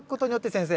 先生。